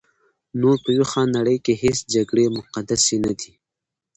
نور په ویښه نړۍ کې هیڅ جګړې مقدسې نه دي.